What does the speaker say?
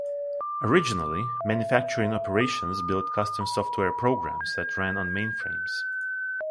Originally, manufacturing operations built custom software programs that ran on mainframes.